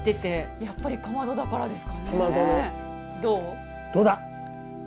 やっぱりかまどだからですかね。